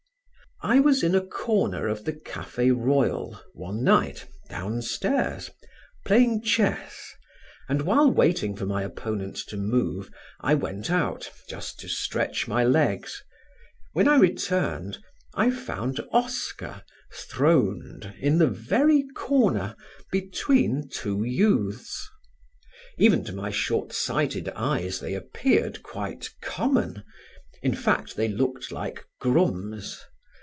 I was in a corner of the Café Royal one night downstairs, playing chess, and, while waiting for my opponent to move, I went out just to stretch my legs. When I returned I found Oscar throned in the very corner, between two youths. Even to my short sighted eyes they appeared quite common: in fact they looked like grooms.